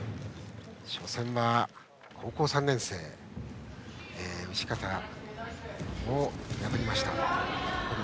初戦は高校３年生の牛方を破りました。